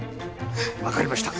分かりました。